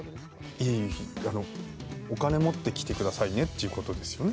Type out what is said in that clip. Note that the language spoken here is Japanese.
いえいえあのお金持ってきてくださいねっていう事ですよね。